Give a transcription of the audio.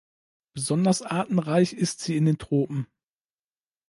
Besonders artenreich ist sie in den Tropen.